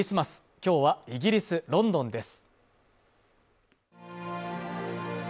今日はイギリス・ロンドンです